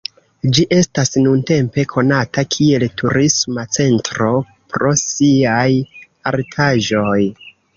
Ĝi estas nuntempe konata kiel turisma centro pro siaj artaĵoj.